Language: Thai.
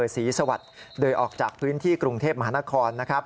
สีสวัสดิ์โดยออกจากพื้นที่กรุงเทพมหานคร